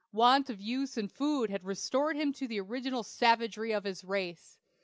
Want of use and food had restored him to the original savagery of his race.